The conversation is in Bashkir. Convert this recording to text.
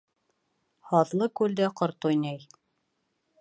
Һаҙлы күлдә ҡорт уйнай.